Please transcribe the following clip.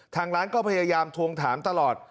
ทางร้านก็พยายามทวงถามตลอด